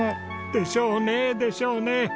でしょうねえでしょうねえ！